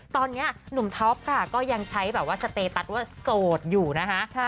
ตอนนี้หนุ่มท็อปค่ะก็ยังใช้แบบว่าสเตตัสว่าโสดอยู่นะคะ